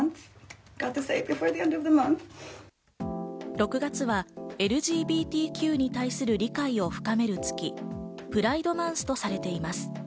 ６月はＬＧＢＴＱに対する理解を深める月、プライドマンスとされています。